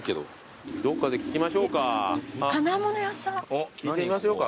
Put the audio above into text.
おっ聞いてみましょうか。